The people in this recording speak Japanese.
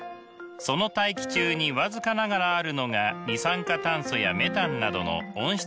その大気中に僅かながらあるのが二酸化炭素やメタンなどの温室効果ガス。